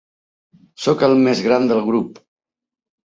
Soc el mes gran del grup.